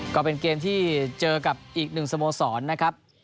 ก็เป็นเกมที่เจอกับอีกหนึ่งสโมสรนะครับ